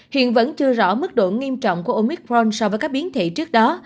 hiện vẫn chưa rõ mức độ nghiêm trọng của omicron so với các biến thị trước đó